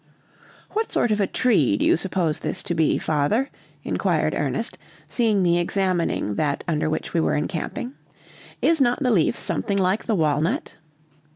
"What sort of a tree do you suppose this to be, father?" inquired Ernest, seeing me examining that under which we were encamping. "Is not the leaf something like the walnut?"